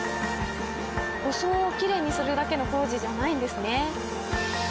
装をきれいにするだけの工事じゃないんですね。